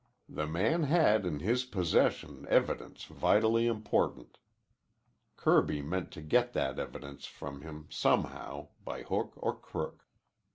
The man had in his possession evidence vitally important. Kirby meant to get that evidence from him somehow by hook or crook.